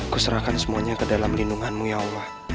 kuserahkan semuanya ke dalam lindunganmu ya allah